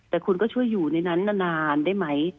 แต่คุณก็ช่วยอยู่ในนั้นนานได้ไหม